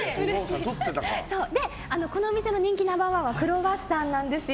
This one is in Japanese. この店の人気ナンバー１はクロワッサンなんですよ。